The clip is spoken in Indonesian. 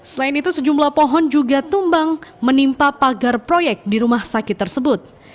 selain itu sejumlah pohon juga tumbang menimpa pagar proyek di rumah sakit tersebut